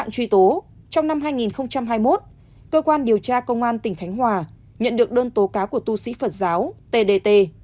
cơ quan điều tra công an tỉnh thánh hòa nhận được đơn tố cáo của tu sĩ phật giáo t d t